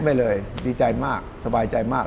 ไปเลยดีใจมากสบายใจมาก